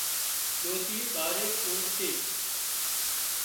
ڏوشي ٻاري اونگتِي